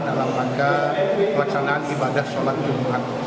dalam angka pelaksanaan ibadah solat jumat